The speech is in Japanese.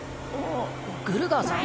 グルガーさん？